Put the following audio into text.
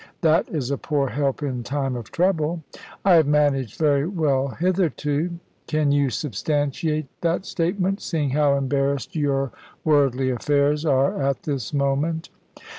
"That is a poor help in time of trouble." "I have managed very well hitherto." "Can you substantiate that statement, seeing how embarrassed your worldly affairs are at this moment?"